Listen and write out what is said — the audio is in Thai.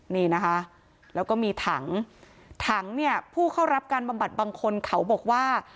นี่นะคะแล้วก็มีถังถังเนี่ยผู้เข้ารับการบำบัดบางคนเขาบอกว่า